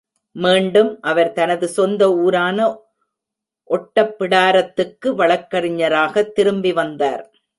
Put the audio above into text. மீண்டும் அவர் தனது சொந்த ஊரான ஒட்டப்பிடாரத்துக்கு வழக்கறிஞராகத் திரும்பி வந்தார்.